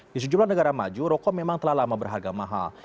di sejumlah negara maju rokok memang telah lama berharga mahal